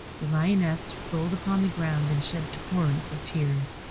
The Lioness rolled upon the ground, and shed torrents of tears.